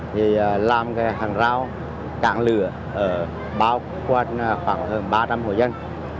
thì làm hàng rào cạn lửa bao quanh khoảng hơn ba trăm linh hồ dân